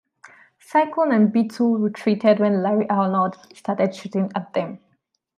Cyclone and Beetle retreated when Larry Arnold started shooting at them.